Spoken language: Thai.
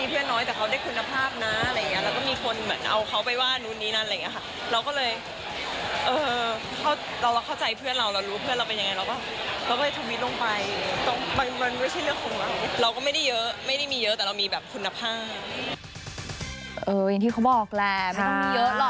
อย่างที่เขาบอกแหละไม่ต้องมีเยอะหรอก